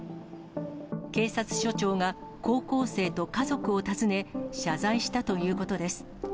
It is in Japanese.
警察署長が高校生と家族を訪ね、謝罪したということです。